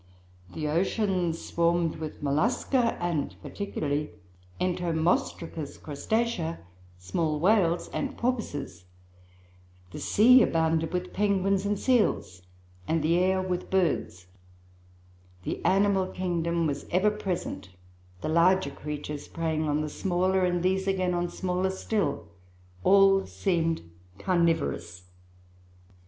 The ocean swarmed with Mollusca, and particularly entomostracous Crustacea, small whales, and porpoises; the sea abounded with penguins and seals, and the air with birds; the animal kingdom was ever present, the larger creatures preying on the smaller, and these again on smaller still; all seemed carnivorous.